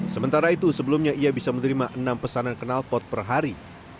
sementara itu sebelumnya ia bisa menerima enam pesanan kenalpot per hari